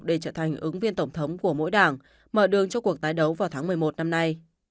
để trở thành ứng viên tổng thống của mỗi đảng mở đường cho cuộc tái đấu vào tháng một mươi một năm nay